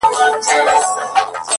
هر څوک له بل څخه لرې او جلا ښکاري,